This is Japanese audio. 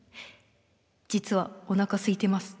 実はおなかすいてます。